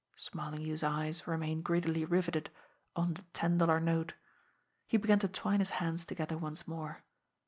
Smarlinghue's eyes remained greedily riveted on the ten dollar note. He began to twine his hands together once more.